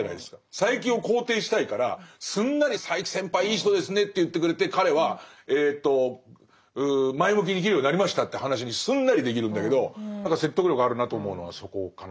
佐柄木を肯定したいからすんなり「佐柄木先輩いい人ですね」って言ってくれて彼は前向きに生きるようになりましたっていう話にすんなりできるんだけど説得力があるなと思うのはそこかな。